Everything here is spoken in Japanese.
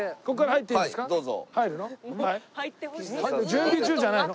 準備中じゃないの？